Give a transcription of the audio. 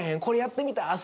これやってみた。